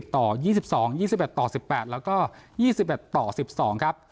๒๐ต่อ๒๒แล้วก็๒๑ต่อ๑๘แล้วก็๒๑ต่อ๑๒ครับ